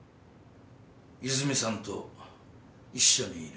泉さんと一緒にいる。